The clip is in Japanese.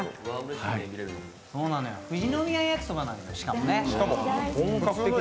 富士宮やきそばなんだよね、しかもね。